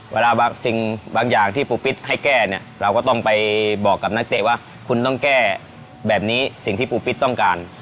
บางสิ่งบางอย่างที่ปูปิ๊ดให้แก้เนี่ยเราก็ต้องไปบอกกับนักเตะว่าคุณต้องแก้แบบนี้สิ่งที่ปูปิ๊ดต้องการ